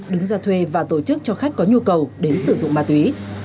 đứng ra thuê và tổ chức cho khách có nhu cầu đến sử dụng ma túy